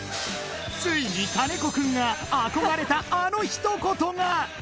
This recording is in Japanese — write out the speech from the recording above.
ついに金子君が憧れたあの一言が！